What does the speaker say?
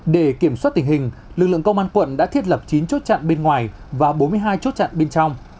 để kiểm soát tình hình lực lượng công an quận đã thiết lập chín chốt chặn bên ngoài và bốn mươi hai chốt chặn bên trong